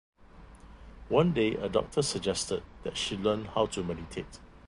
One day a doctor suggested that she learn how to meditate.